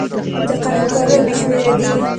د قلم کارونه بې شمېره دي.